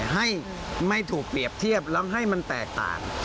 ให้ไม่ถูกเปรียบเทียบแล้วให้มันแตกต่าง